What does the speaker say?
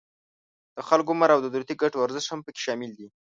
د خلکو عمر او د دولتی ګټو ارزښت هم پکې شامل دي